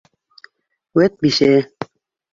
Вәт бисә!